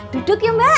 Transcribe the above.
duduk yuk mbak